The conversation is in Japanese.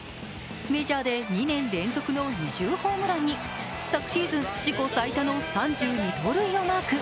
メジャーで２年連続の２０ホームランに、昨シーズン自己最多の３２盗塁をマーク。